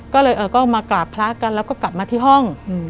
ก็เลยก็มากราบพระกันแล้วก็กลับมาที่ห้อง